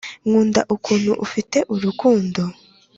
nkunda ukuntu ufite urukundo.